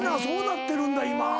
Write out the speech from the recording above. そうなってるんだ今。